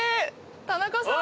田中さん！